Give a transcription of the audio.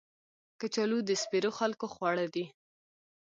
کچالو د سپېرو خلکو خواړه دي